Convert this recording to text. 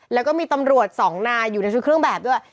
แล้วก็มีตำรวจสองนายอยู่ในชุดเครื่องแบบด้วย